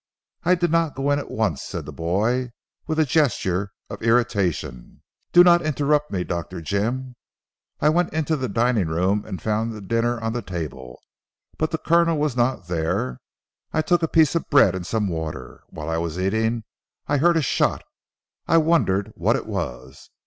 "I did not go in at once," said the boy, with a gesture of irritation; "do not interrupt me, Dr. Jim. I went to the dining room and found the dinner on the table, but the Colonel was not there. I took a piece of bread and some water. While I was eating I heard a shot. I wondered what it was."